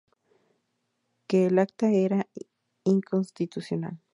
Que el acta era inconstitucional.